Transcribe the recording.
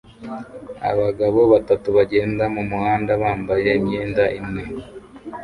Abagabo batatu bagenda mumuhanda bambaye imyenda imwe